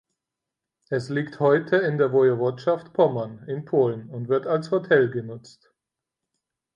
Es liegt heute in der Woiwodschaft Pommern in Polen und wird als Hotel genutzt.